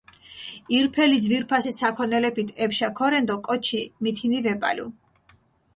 ირფელი ძვირფასი საქონელეფით ეფშა ქორენ დო კოჩი მითინი ვეპალუ.